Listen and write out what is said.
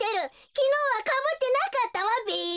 きのうはかぶってなかったわべ。